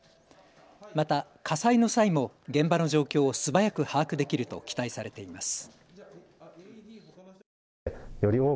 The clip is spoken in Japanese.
また火災の際も現場の状況をすばやく把握できると期待されています。